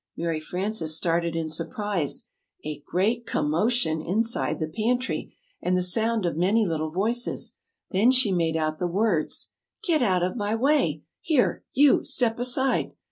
Mary Frances started in surprise. A great com mo tion inside the pantry, and the sound of many little voices! Then she made out the words: "Get out of my way! Here, you, step aside!"